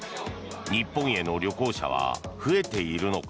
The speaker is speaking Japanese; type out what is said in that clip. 日本への旅行者は増えているのか。